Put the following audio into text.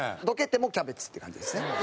どけてもキャベツって感じですね。